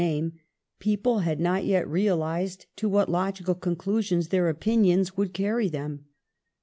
name ; people had not yet realized to what logical conclusions their opinions would carry them.